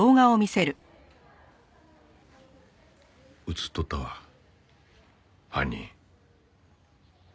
映っとったわ犯人。